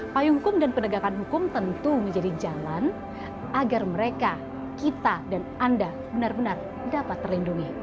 payung hukum dan penegakan hukum tentu menjadi jalan agar mereka kita dan anda benar benar dapat terlindungi